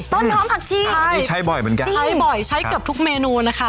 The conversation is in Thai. ต้นหอมผักชีใช่ใช้บ่อยเหมือนกันใช้บ่อยใช้เกือบทุกเมนูนะคะ